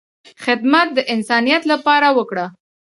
خدمت د انسانیت لپاره وکړه،